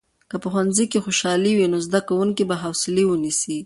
که په ښوونځي کې خوشالي وي، نو زده کوونکي به حوصلې ونیسي.